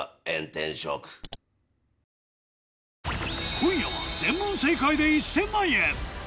今夜は全問正解で１０００万円